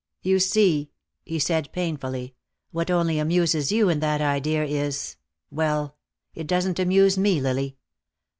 "You see," he said painfully, "what only amuses you in that idea is well, it doesn't amuse me, Lily."